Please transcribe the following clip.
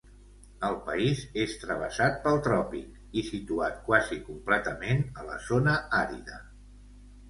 El país és travessat pel tròpic i situat quasi completament a la zona àrida.